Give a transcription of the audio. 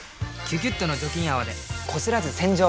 「キュキュット」の除菌泡でこすらず洗浄！